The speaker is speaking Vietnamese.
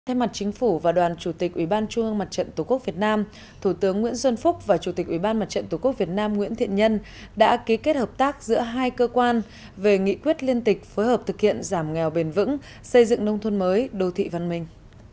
thay mặt chính phủ và đoàn chủ tịch ủy ban trung ương mặt trận tổ quốc việt nam thủ tướng nguyễn xuân phúc và chủ tịch ủy ban mặt trận tổ quốc việt nam nguyễn thiện nhân đã ký kết hợp tác giữa hai cơ quan về nghị quyết liên tịch phối hợp thực hiện giảm nghèo bền vững xây dựng nông thôn mới đô thị văn minh